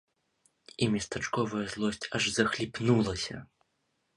І местачковая злосць аж захліпнулася.